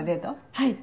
はい。